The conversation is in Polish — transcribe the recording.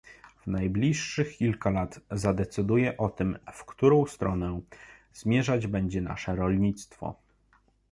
Najbliższych kilka lat zadecyduje o tym, w którą stronę zmierzać będzie nasze rolnictwo